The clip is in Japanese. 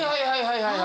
はいはい！